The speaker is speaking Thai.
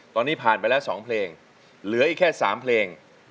ตอนนี้ผ่านไปแล้ว๒เพลงเหลืออีกแค่๓เพลง